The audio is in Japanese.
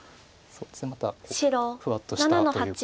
そうですねまたふわっとしたというか。